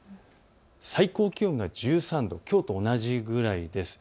最高気温が１３度、きょうと同じくらいです。